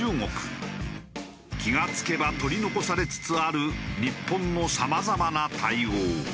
気が付けば取り残されつつある日本のさまざまな対応。